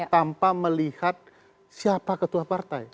tanpa melihat siapa ketua partai